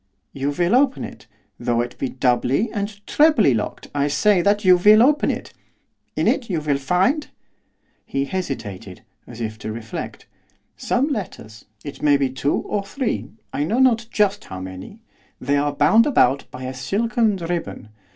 'You will open it, though it be doubly and trebly locked, I say that you will open it. In it you will find ' he hesitated, as if to reflect 'some letters; it may be two or three, I know not just how many, they are bound about by a silken ribbon.